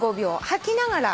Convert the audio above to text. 吐きながら。